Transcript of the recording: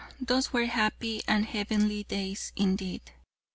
those were happy and heavenly days indeed.